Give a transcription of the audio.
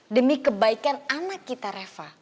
demi kebaikan anak kita reva